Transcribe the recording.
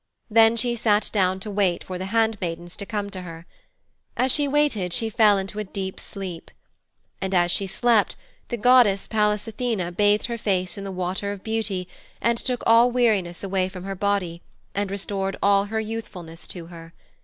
Then she sat down to wait for the handmaidens to come to her. As she waited she fell into a deep sleep. And as she slept, the goddess Pallas Athene bathed her face in the Water of Beauty and took all weariness away from her body, and restored all her youthfulness to her.